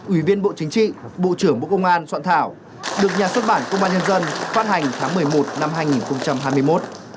ủy viên bộ chính trị bộ trưởng bộ công an soạn thảo được nhà xuất bản công an nhân dân phát hành tháng một mươi một năm hai nghìn hai mươi một